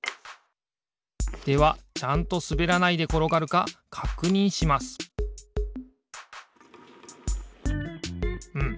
ではちゃんとすべらないでころがるかかくにんしますうん。